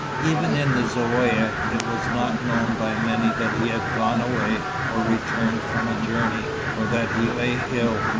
Even in the Zaouïa it was not known by many that he had gone away or returned from a journey, or that he lay ill.